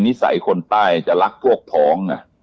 นิสัยคนใต้จะรักพวกท้อง